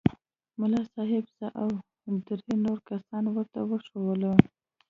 ملا صاحب زه او درې نور کسان ورته وښوولو.